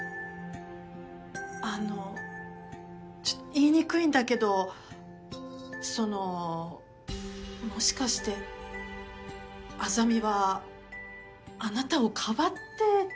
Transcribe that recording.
あのちょっと言いにくいんだけどそのもしかして莇はあなたをかばって事故に？